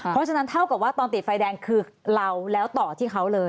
เพราะฉะนั้นเท่ากับว่าตอนติดไฟแดงคือเราแล้วต่อที่เขาเลย